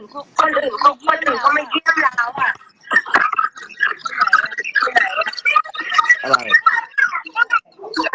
คนอื่นเค้าไม่เยี่ยมแล้วอ่ะ